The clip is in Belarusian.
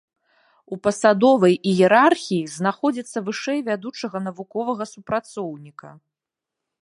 У пасадовай іерархіі знаходзіцца вышэй вядучага навуковага супрацоўніка.